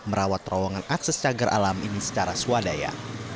merawat terowongan akses cagar alam ini secara swadaya